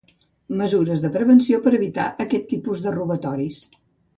Mesures de prevenció per evitar aquest tipus de robatoris.